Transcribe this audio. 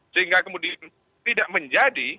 sehingga kemudian tidak menjadi